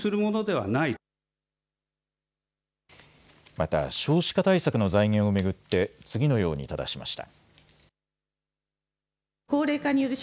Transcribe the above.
また少子化対策の財源を巡って次のようにただしました。